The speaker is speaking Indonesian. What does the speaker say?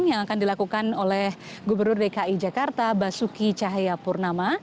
yang akan dilakukan oleh gubernur dki jakarta basuki cahayapurnama